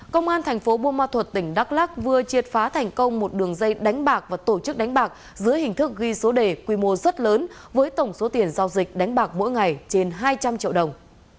công an thành phố buôn ma thuật tỉnh đắk lắc vừa triệt phá thành công một đường dây đánh bạc và tổ chức đánh bạc dưới hình thức ghi số đề quy mô rất lớn với tổng số tiền giao dịch đánh bạc mỗi ngày trên hai trăm linh triệu đồng